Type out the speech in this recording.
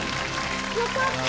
良かった。